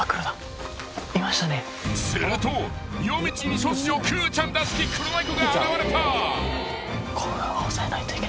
［すると夜道に突如くーちゃんらしき黒猫が現れた］